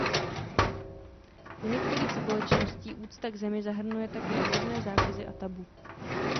U některých společností úcta k zemi zahrnuje také různé zákazy a tabu.